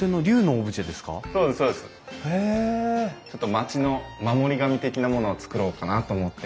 町の守り神的なものをつくろうかなと思って。